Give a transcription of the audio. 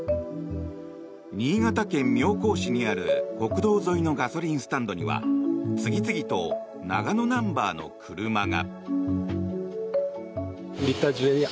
新潟県妙高市にある国道沿いのガソリンスタンドには次々と長野ナンバーの車が。